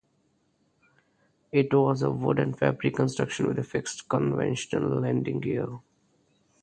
It was of wood and fabric construction with a fixed conventional landing gear.